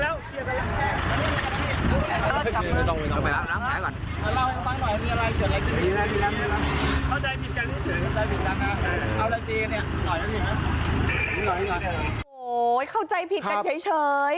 โอ้โหเข้าใจผิดกันเฉย